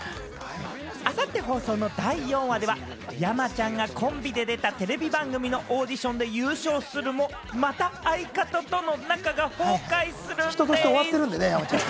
明後日放送の第４話では、山ちゃんがコンビで出たテレビ番組のオーディションで優勝するも、また相方との仲が崩壊するんでぃす！